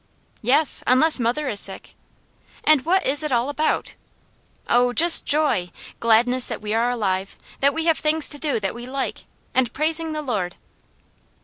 "Yes, unless mother is sick." "And what is it all about?" "Oh just joy! Gladness that we are alive, that we have things to do that we like, and praising the Lord."